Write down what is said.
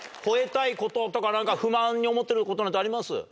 吠えたいこととか不満に思ってることあります？